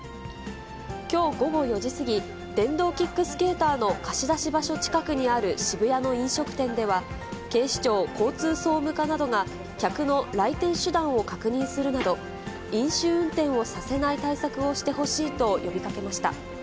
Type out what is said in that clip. きょう午後４時過ぎ、電動キックスケーターの貸し出し場所近くにある渋谷の飲食店では、警視庁交通総務課などが、客の来店手段を確認するなど、飲酒運転をさせない対策をしてほしいと呼びかけました。